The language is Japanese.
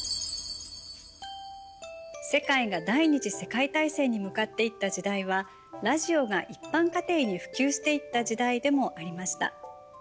世界が第二次世界大戦に向かっていった時代はラジオが一般家庭に普及していった時代でもありました。